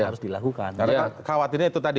harus dilakukan karena khawatirnya itu tadi